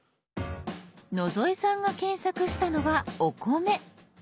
野添さんが検索したのは「お米」。